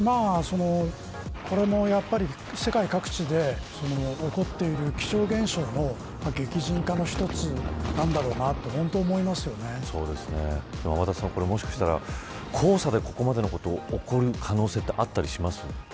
これも世界各地で起こっている気象現象の激甚化の一つなんだろうなと本当天達さん、もしかしたら黄砂でここまでのことが起こる可能性ありますか。